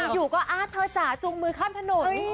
อยู่ก็เธอจ๋าจูงมือข้ามถนน